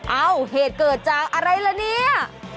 เอ้าเหตุเกิดจากอะไรละเนี่ย